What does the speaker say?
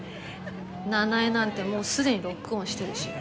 奈々江なんてもうすでにロックオンしてるし。